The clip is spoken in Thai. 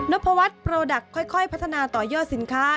พวัฒน์โปรดักต์ค่อยพัฒนาต่อยอดสินค้า